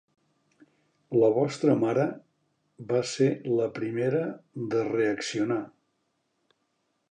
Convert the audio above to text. La vostra mare va ser la primera de reaccionar.